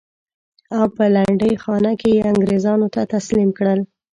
او په لنډۍ خانه کې یې انګرېزانو ته تسلیم کړل.